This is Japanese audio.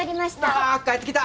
わ帰ってきた！